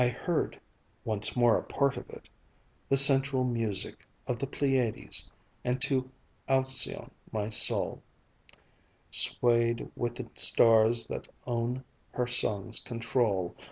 I heard once more a part of it The central music of the Pleiades, And to Alcyone my soul Swayed with the stars that own her song's control.